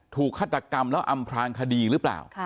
ฆาตกรรมแล้วอำพลางคดีหรือเปล่า